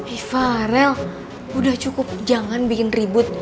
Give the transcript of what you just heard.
ih farel udah cukup jangan bikin ribut